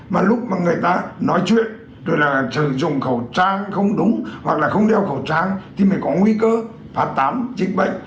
mà lúc mà người ta nói chuyện rồi là sử dụng khẩu trang không đúng hoặc là không đeo khẩu trang thì mới có nguy cơ phát tán dịch bệnh